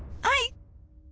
はい！